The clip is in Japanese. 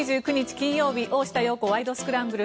金曜日「大下容子ワイド！スクランブル」。